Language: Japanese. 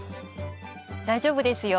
大丈夫ですよ。